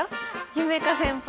夢叶先輩！